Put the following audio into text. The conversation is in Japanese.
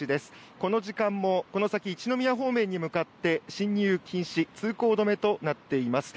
この時間もこの先一宮方面に向かって進入禁止、通行止めとなっています。